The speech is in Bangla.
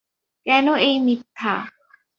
কেন এই মিথ্যা?